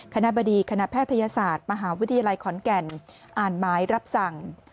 คณะบดีคณะแพทยศาสตร์มหาวิทยาลัยขอนแก่นอ่านหมายรับสั่ง